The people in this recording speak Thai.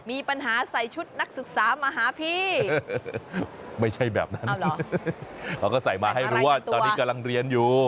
มีปัญหาใส่ชุดนักศึกษามาหาพี่